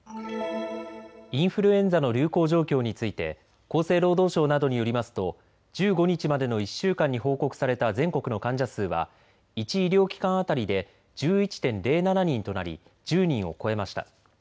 インフルエンザの流行状況について厚生労働省などによりますと１５日までの１週間に報告された全国の患者数は１医療機関当たりで１１．０７人となり１０人を超えました。